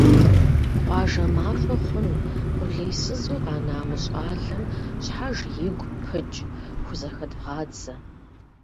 - Къуажэ махуэ хъун, къулейсызу къэна мы щӀалэм щхьэж игу пыкӀ хузэхэдвгъадзэ! –.